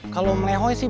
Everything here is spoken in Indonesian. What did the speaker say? kalau melehoi sih